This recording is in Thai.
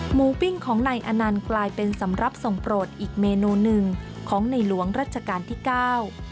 ปิ้งของนายอนันต์กลายเป็นสำหรับส่งโปรดอีกเมนูหนึ่งของในหลวงรัชกาลที่เก้า